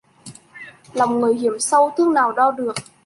Lòng người hiểm sâu thước nào đo được